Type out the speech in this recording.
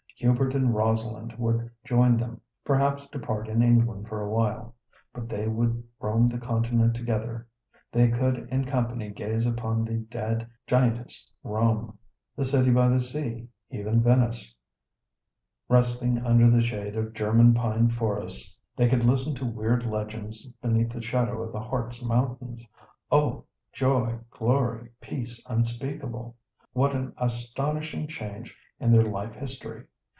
Hubert and Rosalind would join them, perhaps to part in England for a while. But they would roam the Continent together, they could in company gaze upon the dead giantess Rome; the city by the sea, even Venice; resting under the shade of German pine forests, they could listen to weird legends beneath the shadow of the Hartz Mountains. Oh! joy, glory, peace unspeakable! What an astonishing change in their life history!